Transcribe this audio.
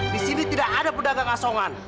di sini tidak ada pedagang asongan